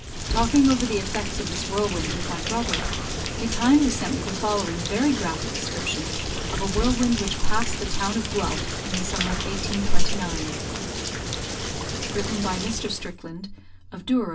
Talking over the effects of this whirlwind with my brother, he kindly sent me the following very graphic description of a whirlwind which passed the town of Guelph in the summer of 1829. [Written by Mr. Strickland, of Douro.